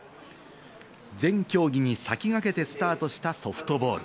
全競技に先駆けてスタートしたソフトボール。